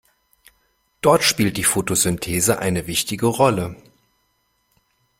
Dort spielt die Fotosynthese eine wichtige Rolle.